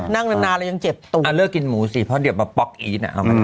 นั่งนานแล้วยังเจ็บตัวล่ะอ่ะเลิกกินหมูสิเพราะเดี๋ยวแบบปลอกอี๊ดอ่ะ